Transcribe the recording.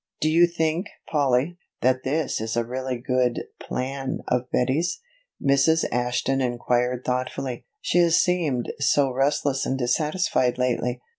"Do you think, Polly, that this is really a good plan of Betty's?" Mrs. Ashton inquired thoughtfully. "She has seemed so restless and dissatisfied lately.